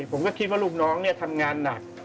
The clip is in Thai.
ผมก็คิดว่าลูกน้องทำงานหนัก